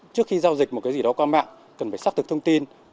trước khi giao dịch một cái gì đó qua mạng cần phải xác thực thông tin